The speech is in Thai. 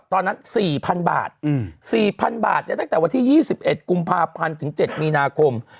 ตอนนั้น๔๐๐๐บาท๔๐๐บาทตั้งแต่วันที่๒๑กุมภาพันธ์ถึง๗มีนาคม